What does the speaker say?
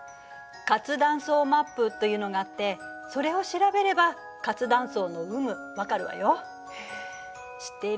活断層マップというのがあってそれを調べれば活断層の有無分かるわよ。